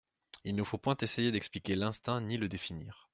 Il ne faut point essayer d'expliquer l'instinct ni le définir.